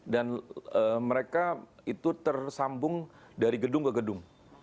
dan mereka itu tersambung dari gedung ke gedung